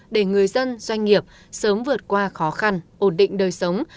để người dân doanh nghiệp sớm vượt qua khó khăn ổn định đời sống